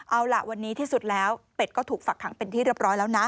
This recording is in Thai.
เอาล่ะวันนี้ที่สุดแล้วเป็ดก็ถูกฝักขังเป็นที่เรียบร้อยแล้วนะ